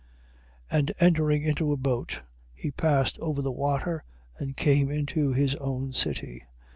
9:1. And entering into a boat, he passed over the water and came into his own city.